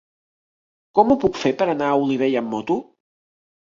Com ho puc fer per anar a Olivella amb moto?